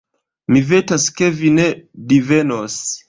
Mi vetas, ke vi ne divenos.